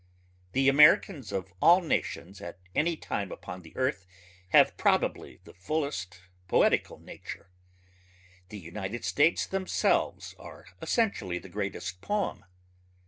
The Americans of all nations at any time upon the earth, have probably the fullest poetical nature. The United States themselves are essentially the greatest poem.